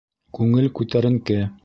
Күңел күтәренке.